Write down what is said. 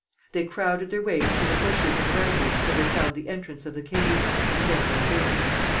They crowded their way through the bushes and brambles till they found the entrance of the cave, and then went in.